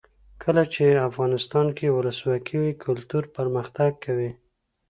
کله چې افغانستان کې ولسواکي وي کلتور پرمختګ کوي.